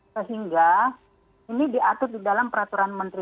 sehingga ini diatur di dalam peraturan menteri